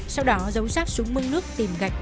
sau đó dấu sát xuống mương nước tìm gạch